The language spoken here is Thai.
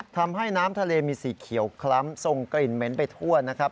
ทำให้น้ำทะเลมีสีเขียวคล้ำทรงกลิ่นเหม็นไปทั่วนะครับ